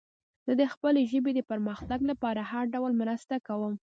زه د خپلې ژبې د پرمختګ لپاره هر ډول مرسته کوم.